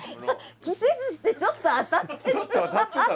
期せずしてちょっと当たってる。